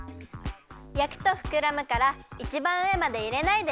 やくとふくらむからいちばんうえまでいれないでね。